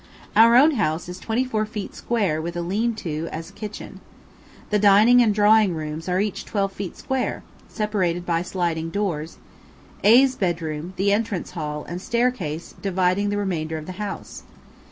Our own house is twenty four feet square with a lean to as kitchen. The dining and drawing rooms are each twelve feet square, separated by sliding doors; A 's bedroom, the entrance hall, and stair case dividing the remainder of the house.